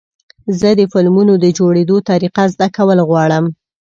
زه د فلمونو د جوړېدو طریقه زده کول غواړم.